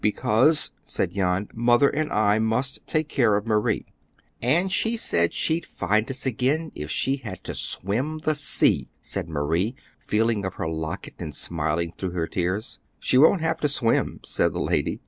"Because," said Jan, "Mother said I must take care of Marie." "And she said she'd find us again if she had to swim the sea," said Marie, feeling of her locket and smiling through her tears. "She won't have to swim," said the lady.